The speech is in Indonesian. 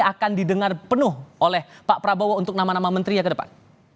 bahwa usulan ini akan didengar penuh oleh pak prabowo untuk nama nama menteri ya ke depan